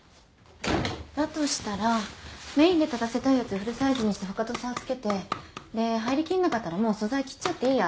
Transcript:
だとしたらメインで立たせたいやつフルサイズにして他と差をつけてで入りきんなかったらもう素材切っちゃっていいや。